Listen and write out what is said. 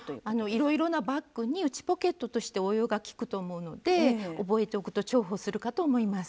いろいろなバッグに内ポケットとして応用が利くと思うので覚えておくと重宝するかと思います。